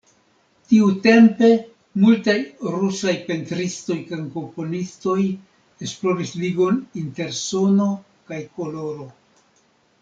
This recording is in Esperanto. Tiutempe multaj rusaj pentristoj kaj komponistoj esploris ligon inter sono kaj koloro.